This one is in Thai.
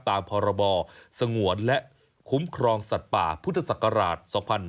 ตามพรบสงวนและคุ้มครองสัตว์ป่าพุทธศักราช๒๕๕๙